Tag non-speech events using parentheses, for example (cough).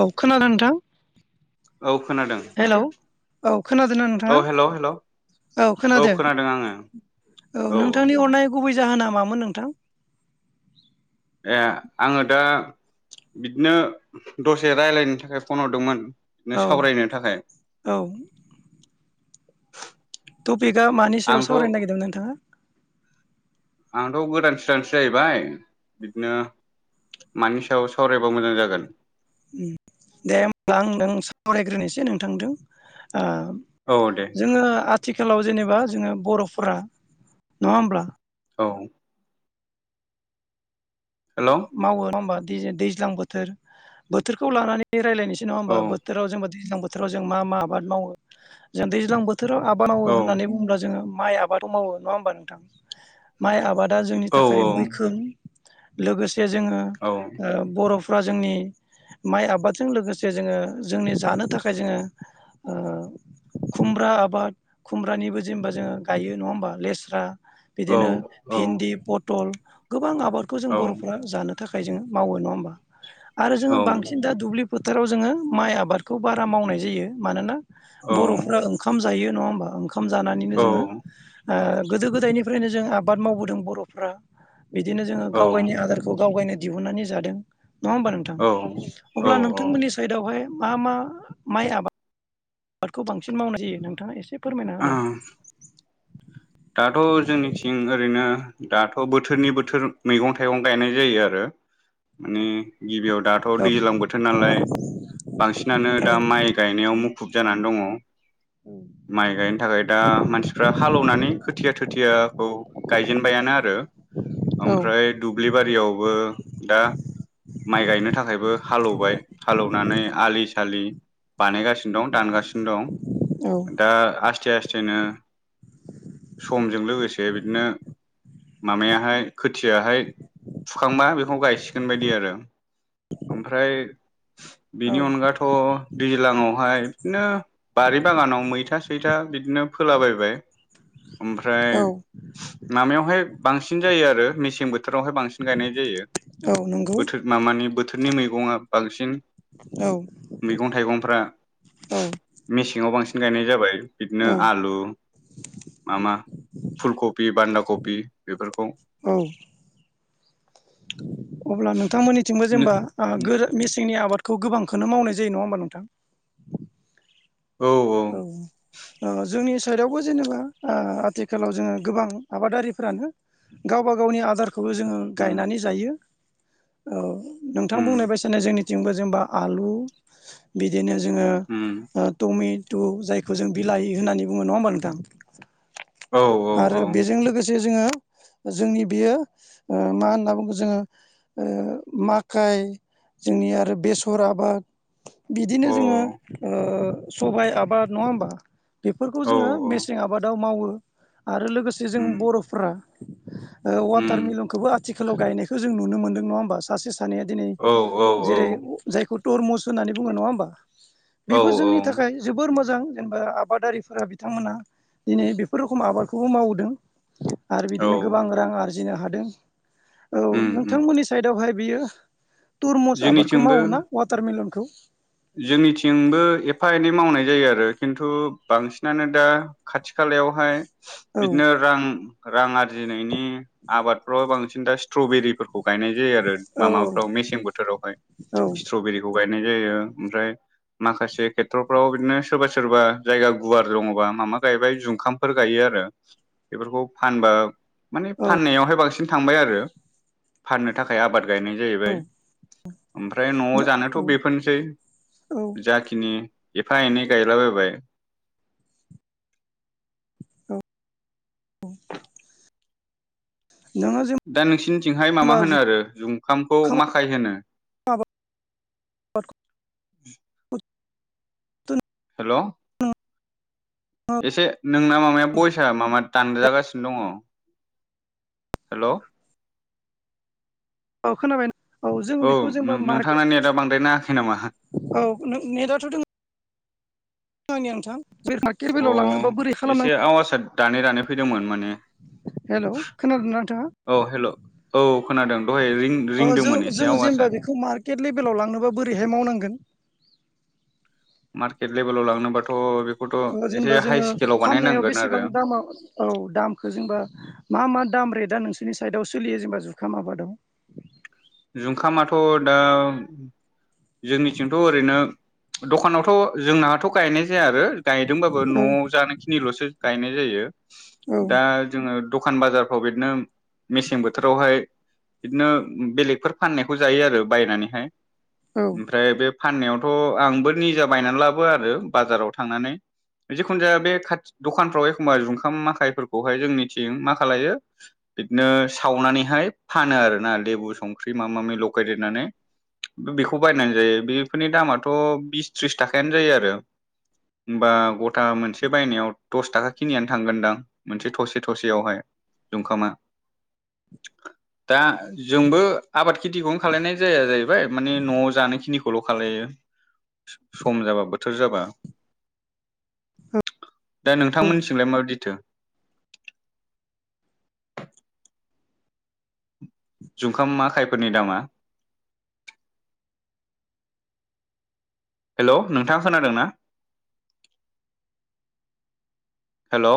औ खोनादों नोंथां औ खोनादों खोनादोना औ नोंथाङा हेल' हेल' औ खोनादो खोनादों आङो औ औ औ नोंथांनि हरनाय गुबै जाहोना मामोन नोंथां ए आङो दा बिदिनो दसे रायलायनो थाखाय फन हरदोंमोन नो औ सावरायनो थाखाय औ टपिकआ मानि सायाव आंथ' सावरायनो नागिरदों नोंथाङा आंथ' गोदान सोदानसो जाहैबाय बिदिनो मानि सायाव सावरायबा मोजां जागोन उम दे होमब्ला आं नों सावरायग्रोनोसै नोंथांदों आ औ दे जोङो आथि खालाव जेनेबा जोङो बर'फोरा नङा होमब्ला औ हेल' औ मावो नङा होमबा दैज-दैज्लां बोथोर, बोथोरखौ लानानै रायलायनो सै नङा औ होमबा बोथोराव जोंबो दैज्लां बोथोराव जों मा मा आबाद मावो जों दैज्लां बो थोराव आबाद मावो होननानै बुङोब्ला जोङो माइ आबादखौ मावो नङा होमबा नोंथां माइ आबाद दा जोंनि औ थाखाय मैखोम लोगोसे जोङो औ ओ बर'फ्रा जोंनि माइ आबादजों लोगोसे जोङो जोंनि जानो थाखाय जोङो ओ खुमब्रा (unintelligible) आबाद खुमब्रानिबो जेमबा जोङो गायो नङा होमबा लेस्रा औ बिदिनो औ भिन्दि पटल गोबां आबादखौ जों औ बर'फ्रा जानो थाखाय जोङो मावो नङा होमबा आरो जोङो बांसिन दा दुब्लि फोथाराव जोङो माइ आबादखौ बारा मावनाय जायो मानोना बर'फ्रा ओंखाम ज जायो नङा होमबा ओंखाम जानानैनो जोङो ओ गोदो गोदायनिफ्रायनो जों आबाद मावबोदों बर'फ्रा बिदिनो जोङो गाव गायनि आदारखौ गावगायनो दिहुननानै जादों नङा होमबा नोंथां? औ अब्ला औ नोंथांमोननि साइदआवहाय मा मा माइ आबा (unintelligible) (unintelligible) दखौ बांसिन मावनाय जायो नोंथाङा एसे फोरमायना औ होलाय दाथ' जोंनिथिं ओरैनो दाथ' बोथोरनि बोथोर मैगं थाइगं गायनाय जायो आरो माने गिबियाव दाथ' औ दैलां बोथोर नालाय बांसिनानो दा माइ गायनायाव मुख खुब जानानै दङ' माइ गायनो थाखाय दा मानसिफ्रा हालौवनानै खोथिया थोथियाखौ गायजेनबायानो आरो औ । ओमफ्राय दुब्लिबारियावबो दा माइ गायनो थाखायबो हालौवबाय हालेवनानै आलि स आलि बानायगासिनो दं दानगासिनो दं दा आसथे आस थेनो समजों लोगोसे बिदनो मामायाहाय खोथियाहाय फुखांबा बेखौ गायसिगोन बायदि आरो। ओमफ्राय औ बिनि अनगाथ' दैलांङाव (unintelligible) नो बारि बागानाव मैथा सैथा बिदनो फोलाबायबाय ओमफ्राय मामायावहाय बांसिन जायो आरो मेसें बो थ थोरावहाय बांसिन गायनाय जायो औ नंगौ बोथोर मामानि बोथोरनि मैगंआ बांसिन औ मैगं थाइगंफ्रा औ मेसेंआव बांसिन गायनाय जाबाय बिदनो औ आलु मा मा फुल खपि बान्दा कपि बेफोरखौ औ अब्ला नोंथांमोननिथिंबो जेमबा ओ गोरो मेसेंनि आबाद खौ गोबांखोनो मावनाय जायो नङा होमबा नोंथां? औ ओ जोंनि स साइदआवबो जेनेबा ओ आथिखालाव जोङो गोबां आबादारिफ्रानो गावबा गावनि आदार खौबो जोङो उम गायनानै जायो औ नोंथां बुंनाय उम बायसानो जोंनि थिंबो जेमबा आलु बिदिनो जोङो उम ओ टमे टु जायखौ जों बिलाइ होननानै बुङो नङा होमबा नोंथां औ आरो औ बेजों लोगोस से जोङो जोंनि बेयो ओ‌ मा होनना बुङो जोङो ओ माकाइ जोंनि आरो बेसर आबाद बिदिनो औ जोङो ओ सबाइ आबाद नङा होमबा बेफोरखौ औ जोङो मेसें आबादाव मावो आरो लोगोसे जों उम बर'फोरा ओ उम वाटारमिलनखौबो आथिखालाव गायनायखो जों नुनो मोनदों नङा होमबा सासेस सानैया दिनै औ औ जेरै अ जायखौ तरमुस होननानै बुङो नङा होमबा? औ बेबो जोंनि थाखाय जोबोर मोजां जेनबा आबादारिफोरा बिथांमोना दिनै बेफोर रखम आबादखौबो मावबोदों। आरो औ बिदिनो गोबां रां आरजिनो हादों औ उम उम नोंथांमोननि साइदआवहाय बेयो तुरमुस आबादखौ जोंनिथिंबो मावो ना वाटारमिलनखौ? जोंनिथिंबो एफा एनै मावनाय जायो आरो खिन्थु बांसिनानो दा खाथि खा लायावहाय औ बिदनो रां रां आरजिनायनि आबादफ्राव बांसिन दा स्ट्रबेरिफोर ख खौ गायनाय जायो आरो औ मामाफ्राव मेसें बोथोरावहाय औ स्ट्रबेरिखौ गायनाय जायो। ओमफ्राय माखासे खेथ्रफ्राव बिदिनो सोरबा सोरबा जायगा गुवार दङबा मामा गायबाय जुंखामफोर गायो ओरो बेफोरखौ फानबा माने औ फाननायावहाय बांसिन थांबाय आरो फाननो थाखाय आबाद गायनाय जाहैबाय ओमफ्राय न'आव औ जानोथ' औ बेफोरनोसै औ जाखिनि एफा एनै गायलाबायबाय औ नोङो दा नोंसिनिथिंहाय जेनेबा मामा होनो आरो जुंखामखौ जुखाम माखाय होनो आबादखौ (inaudible) हेल' एसे नोंना मामाया बयसा मामा दानजागासिनो दङ हेल' औ खोनाबायना औ जों बेखौ जेनबा नोंथांना मार्केट नेटआ बांद्राय नाङाखै नामा औ नों नेटआथ' दोंओ (inaudible) बे मार्केट अ बेलायाव लांनोबा बोरै खालामनांगौ एसे आवासा दानै दानै फैदोंमोन माने हेलौ खोनादों ना नोंथाङा औ हेल' औ खोनादों दहाय रिं अ जो रिंदोंमोन एसे जोङो आवाजआ जेनेबा बेखौ मार्केट लेभेलाव लांनोबा बोरैहाय मावनांगोन मार्केट लेभेलाव लांनोबाथ' बेखौथ' ओ एसे जेनेबा हाइ जोङो स्केलाव फाननायाव बानायनांगोन आरो बेसेबां दामाव औ दामखौ जोंबा मा मा दाम रेट दा नोंसोरनि साइडआव सोलियो जेनेबा जुखाम आबादाव जुंखामाथ' दा जोंनिथिंथ' ओरैनो दखानावथ' जोंनाहाथ' गायनाय जाया आरो गायदोंबाबो औ न'आव जानोखिनिल'सो गायनाय जायो औ दा जोङो दखान बाजारफ्राव बेदिनो मेसें बोथोरावहाय बिदिनो बेलेग- फोर फाननायखौ जायो आरो बायनानैहाय औ ओमफ्राय बे फाननायावथ' आंबो निजा बायनानै लाबो आरो बाजाराव थांनानै जिखुनु जाया बे खाथि दखानफ्राव एखमबा जुंखाम माखाइफोरखौहाय जोंनिथिं मा खालायो बिदिनो सावनानैहाय फानो आरोना लेबु संख्रि मामा मामि लगायदेरनानै बेखौ बायनानै जायो बेफोरनि दामाथ' बिस थ्रिस थाखायानो जायो आरो होमबा गथा मोनसे बायनायाव दस थाखा खिनियानो थांगोनदां मोनसे थसे थसेयावहाय दुंखामा दा जोंबो आबाद खिथिखौनो खालायनाय जाया जाहैबाय माने न'आव जानाय खिनि- खौल' खालायो सम जाबा बोथोर जाबा दा औ नोंथांमोननिसिंलाय माबायदिथो जुंखाम माखायफोरनि दामा हेल' नोंथाङा खोनादों ना हेल'